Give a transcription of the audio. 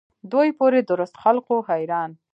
دوی پوري درست خلق وو حیران.